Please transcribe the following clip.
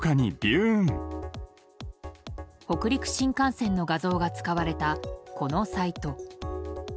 北陸新幹線の画像が使われたこのサイト。